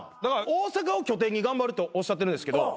大阪を拠点に頑張るとおっしゃってるんですけど